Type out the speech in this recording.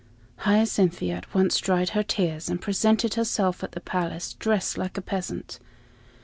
Hyacinthia at once dried her tears, and presented herself at the palace, dressed like a peasant.